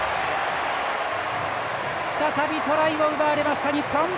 再びトライを奪われました、日本。